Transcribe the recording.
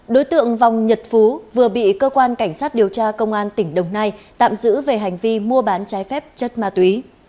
đối tượng vòng nhật phú vừa bị cơ quan cảnh sát điều tra công an tỉnh đồng nai tạm giữ về hành vi mua bán trái phép chất ma túy